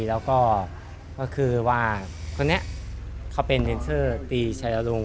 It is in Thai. แล้วก็ก็คือว่าคนนี้เขาเป็นเดนเซอร์ตีชัยอรุง